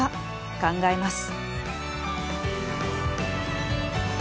考えます。